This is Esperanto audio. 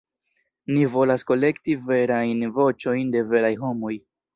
Ni volas kolekti verajn voĉojn de veraj homoj.